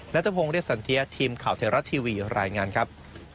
นัทพงศ์เรียบสันเทียทีมข่าวไทยรัฐทีวีรายงานครับ